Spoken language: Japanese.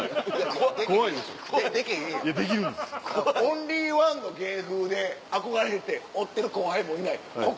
オンリーワンの芸風で憧れて追ってる後輩もいない。